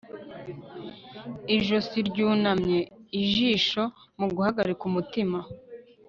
ijosi ryunamye, ijisho mu guhagarika umutima